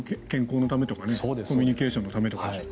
健康のためとかコミュニケーションのためとか。